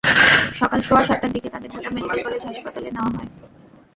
সকাল সোয়া সাতটার দিকে তাঁদের ঢাকা মেডিকেল কলেজ হাসপাতালে নেওয়া হয়।